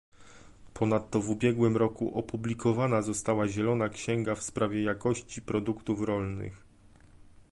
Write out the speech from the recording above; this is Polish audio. Ponadto w ubiegłym roku opublikowana została zielona księga w sprawie jakości produktów rolnych